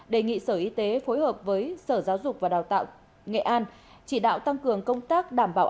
đề nghị sở y tế phối hợp với sở giáo dục và đào tạo nghệ an chỉ đạo tăng cường công tác đảm bảo